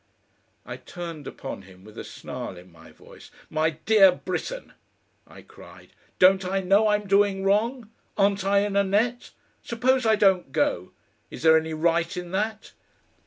I turned upon him with a snarl in my voice. "My dear Britten!" I cried. "Don't I KNOW I'm doing wrong? Aren't I in a net? Suppose I don't go! Is there any right in that?